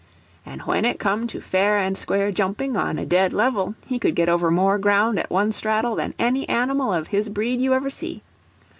And when it come to fair and square jumping on a dead level, he could get over more ground at one straddle than any animal of his breed you ever see.